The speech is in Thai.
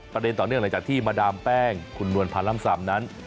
ประเด็นต่อเนื่องอะไรจากที่มาดามแป้งคุณนวรพาล๑๕๓นั้น